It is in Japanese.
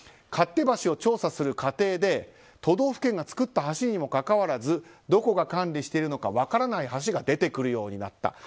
勝手橋を調査する過程で都道府県が造った橋にもかかわらずどこが管理しているのか分からない橋が出てくるようになった。